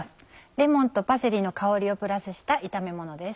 レモンとパセリの香りをプラスした炒めものです。